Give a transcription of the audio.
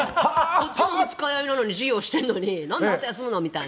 こっちも二日酔いなのに授業してるのになんで、あなたは休むのって。